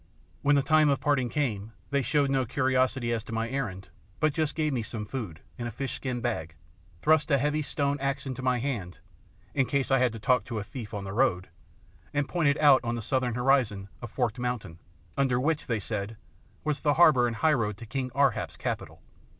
When the time of parting came they showed no curiosity as to my errand, but just gave me some food in a fish skin bag, thrust a heavy stone headed axe into my hand, "in case I had to talk to a thief on the road," and pointed out on the southern horizon a forked mountain, under which, they said, was the harbour and high road to King Ar hap's capital.